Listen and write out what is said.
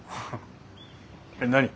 えっ何？